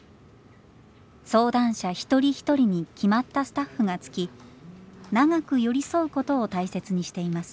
相談者一人一人に決まったスタッフがつき長く寄り添うことを大切にしています。